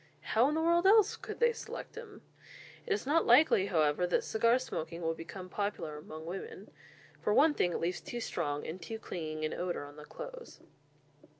How in the world else could they select them? It is not likely, however, that cigar smoking will become popular among women. For one thing, it leaves too strong and too clinging an odour on the clothes.